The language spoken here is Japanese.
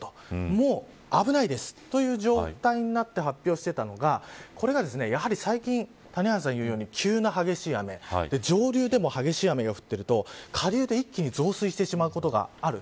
もう危ないですという状態になって発表していたのがこれが、やはり最近谷原さんが言うように急な激しい雨上流でも激しい雨が降っていると下流で一気に増水してしまうことがある。